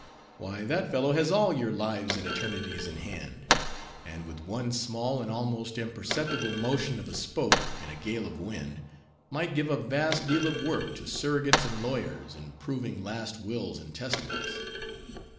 Why, that fellow has all your lives and eternities in his hand; and with one small and almost imperceptible motion of a spoke, in a gale of wind, might give a vast deal of work to surrogates and lawyers, in proving last wills and testaments.